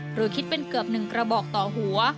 หรือคิดเป็นเกือบ๑กระบอกต่อหัว